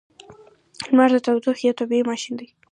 • لمر د تودوخې یو طبیعی ماشین دی.